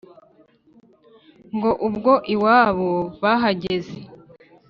Ngo ubwo iwabo bahageze